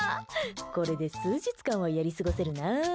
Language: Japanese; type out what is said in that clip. これで数日間はやり過ごせるな。